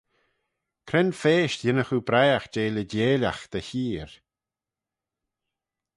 Cre'n feysht yinnagh oo briaght jeh leeideilagh dty 'heer?